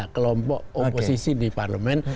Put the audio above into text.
kelompok oposisi di parlement